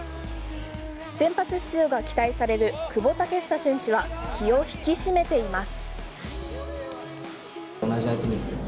先発出場が期待される久保建英選手は気を引き締めています。